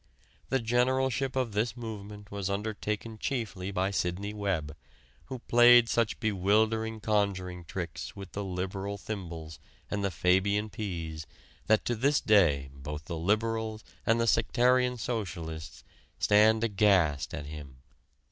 The generalship of this movement was undertaken chiefly by Sidney Webb, who played such bewildering conjuring tricks with the Liberal thimbles and the Fabian peas that to this day both the Liberals and the sectarian Socialists stand aghast at him."